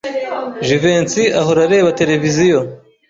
Jivency ahora areba televiziyo.